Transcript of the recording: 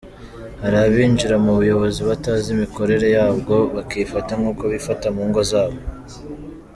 Hari abinjira mu buyobozi batazi imikorere yaybwo bakifata nk’uko bifata mu ngo zabo.